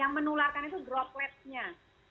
yang menularkan itu dropletnya